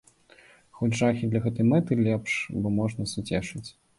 Хоць жахі для гэтай мэты лепш, бо можна суцешыць.